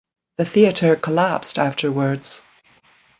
The theatre collapsed afterwards.